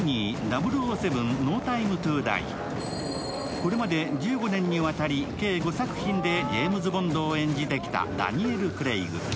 これまで１５年にわたり計５作品でジェームズ・ボンドを演じてきたダニエル・クレイグ。